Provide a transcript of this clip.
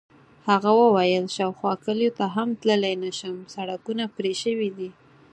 هغه وویل: شاوخوا کلیو ته هم تللی نه شم، سړکونه پرې شوي دي.